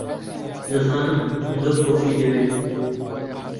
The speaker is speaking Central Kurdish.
دەزانم زۆر خۆشی دەوێیت.